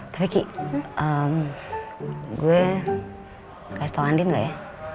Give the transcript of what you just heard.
tapi ki gue kasih tau andin gak ya